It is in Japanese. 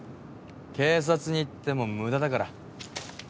警察に行っても無駄だから。